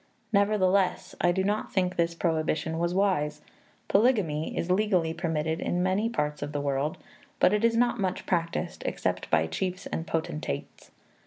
Nevertheless, I do not think this prohibition was wise. Polygamy is legally permitted in many parts of the world, but is not much practised except by chiefs and potentates.